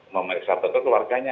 memeriksa betul keluarganya